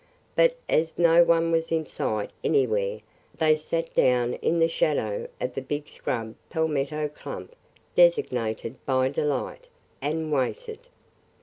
But as no one was in sight anywhere, they sat down in the shadow of the big scrub palmetto clump designated by Delight – and waited.